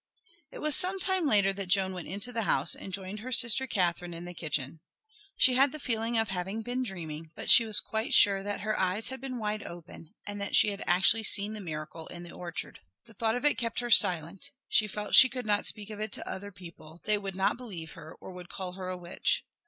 It was some time later that Joan went into the house and joined her sister Catherine in the kitchen. She had the feeling of having been dreaming, but she was quite sure that her eyes had been wide open and that she had actually seen the miracle in the orchard. The thought of it kept her silent; she felt that she could not speak of it to other people; they would not believe her or would call her a witch.